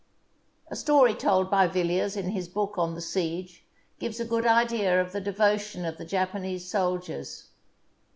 A story told by Villiers in his book on the siege gives a good idea of the devotion of the Japanese soldiers.